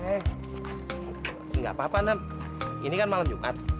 hei hei gak apa apa nam ini kan malam jumat